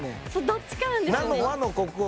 どっちかなんですよね。